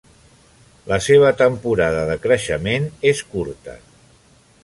La seva temporada de creixement és curta.